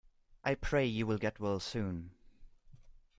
I pray you will get well soon.